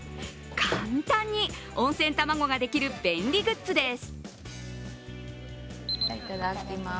簡単に温泉たまごができる便利グッズです。